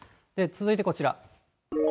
続いてこちら。